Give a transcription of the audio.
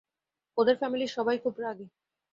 ওদের ফ্যামিলির সবাই খুব রাগী।